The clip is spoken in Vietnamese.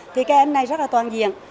thì các em này rất là toàn diện